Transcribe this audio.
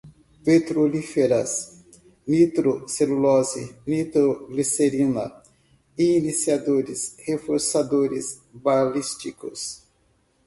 petrolíferas, nitrocelulose, nitroglicerina, iniciadores, reforçadores, balísticos